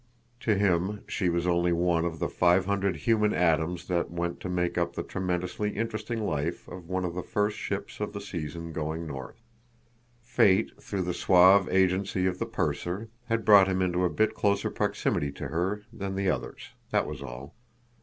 To him she was only one of the five hundred human atoms that went to make up the tremendously interesting life of one of the first ships of the season going north. Fate, through the suave agency of the purser, had brought him into a bit closer proximity to her than the others; that was all.